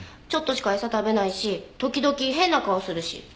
ちょっとしかエサ食べないし時々変な顔するし。